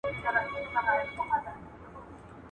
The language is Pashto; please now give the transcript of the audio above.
o چي ټوله دنيا اوبه ونيسي، د هېلۍ تر بجلکو پوري دي.